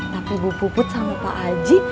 tapi bu puput sama pak aji